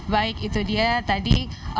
baik itu dia tadi